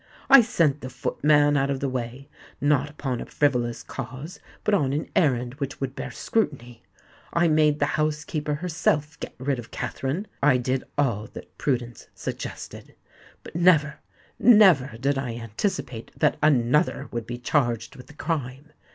I sent the footman out of the way, not upon a frivolous cause, but on an errand which would bear scrutiny. I made the housekeeper herself get rid of Katherine. I did all that prudence suggested. But never—never did I anticipate that another would be charged with the crime!